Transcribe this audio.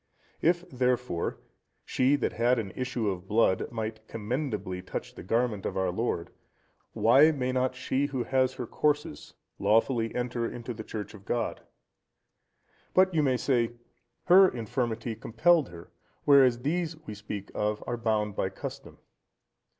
If, therefore, she that had an issue of blood might commendably touch the garment of our Lord, why may not she, who has her courses, lawfully enter into the church of God? But you may say, Her infirmity compelled her, whereas these we speak of are bound by custom.